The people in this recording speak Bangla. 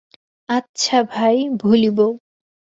আচ্ছা ভাই, ভুলিব।